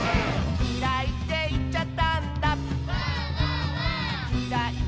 「きらいっていっちゃったんだ」